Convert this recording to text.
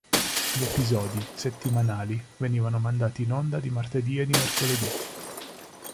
Gli episodi, settimanali, venivano mandati in onda di martedì e di mercoledì.